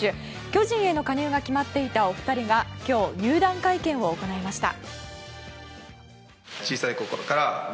巨人への加入が決まっていたお二人が今日、入団会見を行いました。